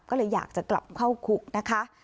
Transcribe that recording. ก็เลยอยากจะกลับเข้าคุกนะคะ